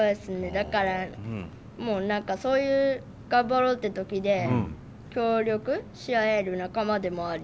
だからもう何かそういう頑張ろうって時で協力し合える仲間でもあり。